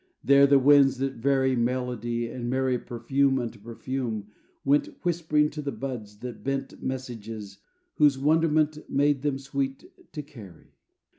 There the winds that vary Melody and marry Perfume unto perfume, went, Whispering to the buds, that bent, Messages whose wonderment Made them sweet to carry.